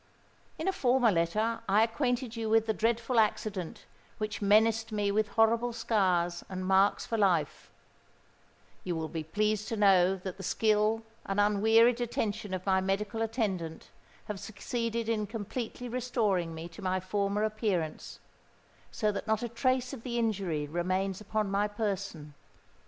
In a former letter I acquainted you with the dreadful accident which menaced me with horrible scars and marks for life:—you will be pleased to know that the skill and unwearied attention of my medical attendant have succeeded in completely restoring me to my former appearance—so that not a trace of the injury remains upon my person.